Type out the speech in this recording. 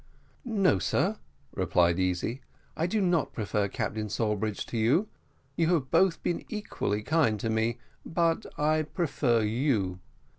"No, sir," replied Easy, "I do not prefer Captain Sawbridge to you; you have both been equally kind to me, but I prefer you.